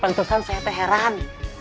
pantusan saya terheran